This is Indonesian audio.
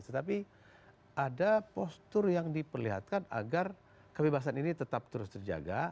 tetapi ada postur yang diperlihatkan agar kebebasan ini tetap terus terjaga